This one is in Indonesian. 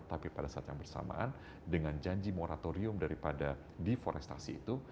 tapi pada saat yang bersamaan dengan janji moratorium daripada deforestasi itu